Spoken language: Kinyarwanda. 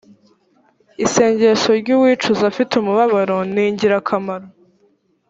isengesho ry uwicuza afite umubabaro ningirakamaro